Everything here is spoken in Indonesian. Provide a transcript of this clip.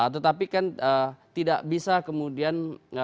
tetapi kan tidak bisa kemudian